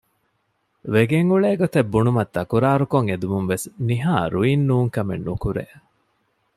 ވެގެން އުޅޭ ގޮތެއް ބުނުމަށް ތަކުރާރުކޮށް އެދުމުންވެސް ނިހާ ރުއިން ނޫންކަމެއް ނުކުރޭ